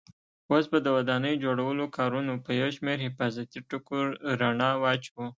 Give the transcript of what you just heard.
اوس به د ودانۍ جوړولو کارونو په یو شمېر حفاظتي ټکو رڼا واچوو.